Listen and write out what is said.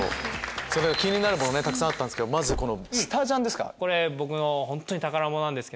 それでは気になるものたくさんあったんですけどまずこのスタジャンですか。